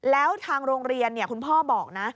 แล้วทางโรงเรียนคุณพ่อบอกนะ